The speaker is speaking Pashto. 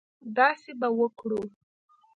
داسې به وکړو.